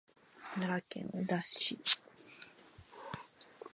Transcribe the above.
奈良県宇陀市